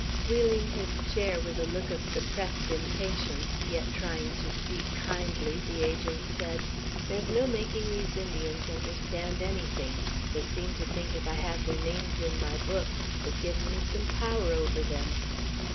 Wheeling his chair with a look of suppressed impatience, yet trying to speak kindly, the Agent said: "There's no making these Indians understand anything. They seem to think if I have their names in my book, it gives me some power over them."